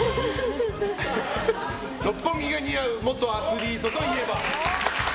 六本木が似合う元アスリートといえば？